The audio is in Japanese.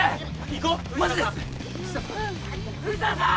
藤田さん？